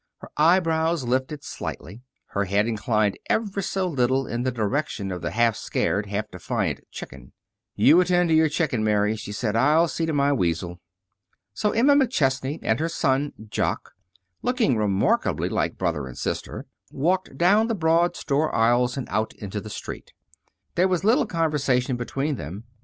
Her eyebrows lifted slightly. Her head inclined ever so little in the direction of the half scared, half defiant "chicken." "You attend to your chicken, Mary," she said. "I'll see to my weasel." So Emma McChesney and her son Jock, looking remarkably like brother and sister, walked down the broad store aisles and out into the street. There was little conversation between them.